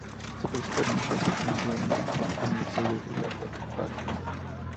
Su principal afluente es un río muy corto emisario del lago Falkner.